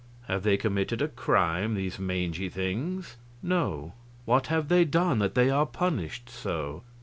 Have they committed a crime, these mangy things? No. What have they done, that they are punished so?